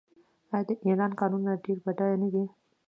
آیا د ایران کانونه ډیر بډایه نه دي؟